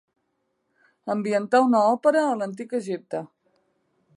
Ambientar una òpera a l'antic Egipte.